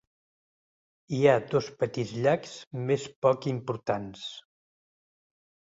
Hi ha dos petits llacs més poc importants.